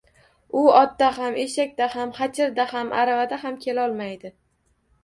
U otda ham, eshakda ham, xachirda ham aravada ham kelolmaydi